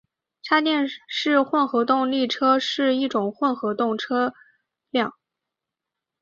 插电式混合动力车是一种混合动力车辆。